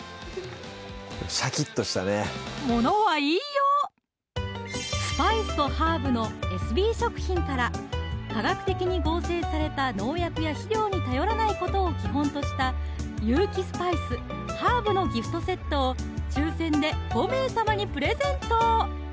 シャキッとしたねものは言いようスパイスとハーブのエスビー食品から化学的に合成された農薬や肥料に頼らないことを基本とした有機スパイス・ハーブのギフトセットを抽選で５名様にプレゼント